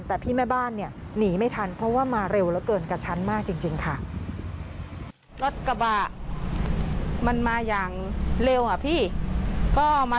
แต่พี่แม่บ้านเนี่ยหนีไม่ทันเพราะว่ามาเร็วเหลือเกินกระชั้นมากจริงค่ะ